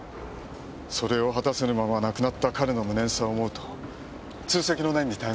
それを果たせぬまま亡くなった彼の無念さを思うと痛惜の念に堪えません。